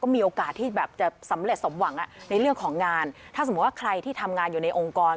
มีโอกาสที่แบบจะสำเร็จสมหวังในเรื่องของงานถ้าสมมุติว่าใครที่ทำงานอยู่ในองค์กร